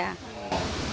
sering lewat emang